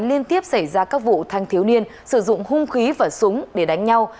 liên tiếp xảy ra các vụ thanh thiếu niên sử dụng hung khí và súng để đánh nhau